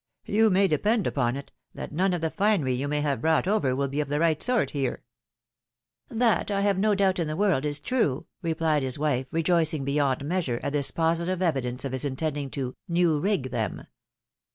You may depend uponjt, that none of the finery you may have brought over will be of the right sort here." 78 THE WIDOW MAKKIED. " That I have no doubt in the world is true," replied his wife, rejoicing beyond measure at this positive evidence of his intending to '■'■new rig" them.